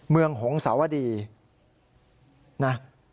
เมืองหงสาวดีนะ